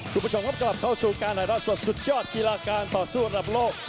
คุณผู้ชมครับกลับเข้าสู่การถ่ายทอดสดสุดยอดกีฬาการต่อสู้ระดับโลก